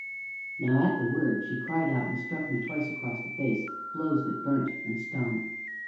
Now at the word she cried out, and struck me twice across the face, blows that burnt and stung.